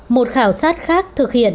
một khảo sát khác thực hiện